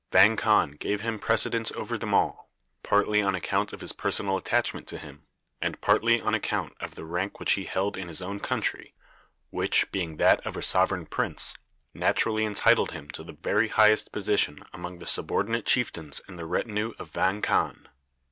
Vang Khan gave him precedence over them all, partly on account of his personal attachment to him, and partly on account of the rank which he held in his own country, which, being that of a sovereign prince, naturally entitled him to the very highest position among the subordinate chieftains in the retinue of Vang Khan.